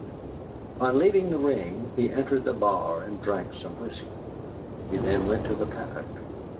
On leaving the ring, he entered the bar and drank some whisky. He then went to the paddock.